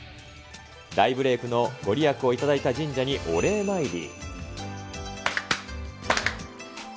大ブレークの御利益を頂いた神社にお礼参り。